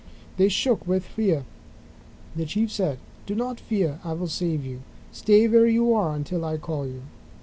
They shook with fear. The Chief said: "Do not fear; I will save you. Stay where you are until I call you."